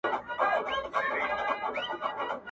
یو احمد وو بل محمود وو سره ګران وه,